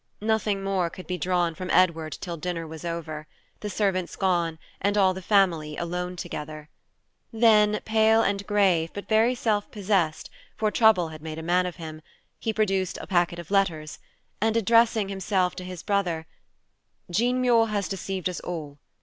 Nothing more could be drawn from Edward till dinner was over, the servants gone, and all the family alone together. Then pale and grave, but very self possessed, for trouble had made a man of him, he produced a packet of letters, and said, addressing himself to his brother, "Jean Muir has deceived us all.